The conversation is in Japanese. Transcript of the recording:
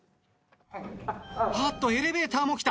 ・あっとエレベーターも来た。